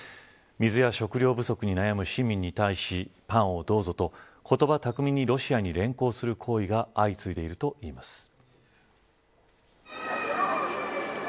水や食料不足に悩む市民に対しパンをどうぞと言葉巧みにロシアに連行する行為が相次いでいるといいます。